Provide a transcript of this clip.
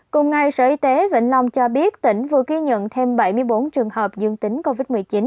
cùng ngày sở y tế vĩnh long cho biết tỉnh vừa ghi nhận thêm bảy mươi bốn trường hợp dương tính covid một mươi chín